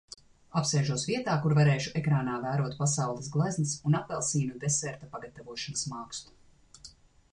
Apsēžos vietā, kur varēšu ekrānā vērot pasaules gleznas un apelsīnu deserta pagatavošanas mākslu.